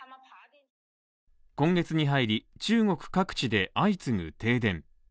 今月に入り、中国各地で相次ぐ停電。